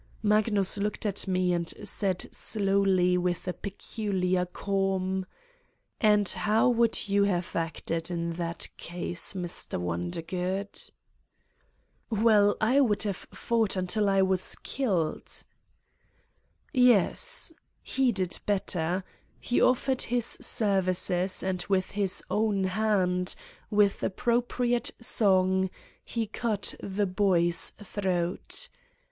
... Magnus looked at me and said slowly with a peculiar calm: 154 Satan's Diary "And how would you have acted in that case, Mr. Wondergood?" "Well, I would have fought until I was killed?' ' "Yes! He did better. He offered his services and with his own hand, with appropriate song, he cut the boy's throat.